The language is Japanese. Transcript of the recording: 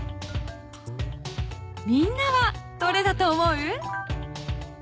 ［みんなはどれだと思う？］